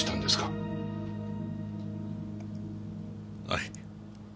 はい。